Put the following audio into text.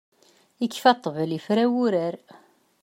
Ikfa ṭtbel, ifra wurar.